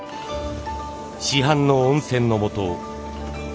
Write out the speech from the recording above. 市販の温泉のもと。